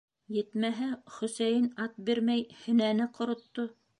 Етмәһә, Хөсәйен ат бирмәй һенәне ҡоротто...